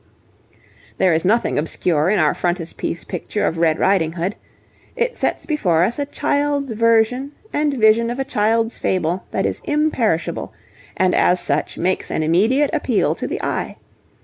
There is nothing obscure in our frontispiece picture of 'Red Ridinghood.' It sets before us a child's version and vision of a child's fable that is imperishable, and as such makes an immediate appeal to the eye.